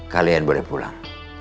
kalian boleh pulang